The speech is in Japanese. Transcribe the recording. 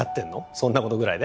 そんなことぐらいで？